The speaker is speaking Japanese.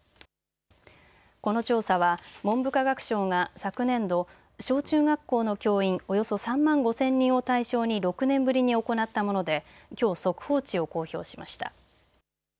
この調査は文部科学省が昨年度、小中学校の教員およそ３万５０００人を対象に６年ぶりに行ったものできょう速報値を公表しました。